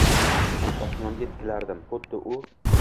Osmonga tikilardim xuddi u